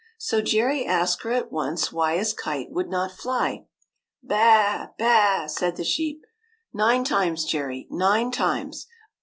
So Jerry asked her at once why his kite would not fly. " Baa, baa !" said the sheep. " Nine times, Jerry, nine times